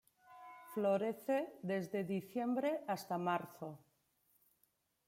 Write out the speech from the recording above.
Florece desde diciembre hasta marzo.